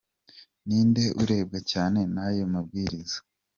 Ni nde urebwa cyane n’ayo mabwiriza ?